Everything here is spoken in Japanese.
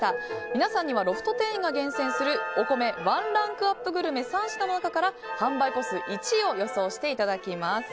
皆さんにはロフト店員が厳選するお米ワンランクアップグルメ３品の中から販売個数１位を予想していただきます。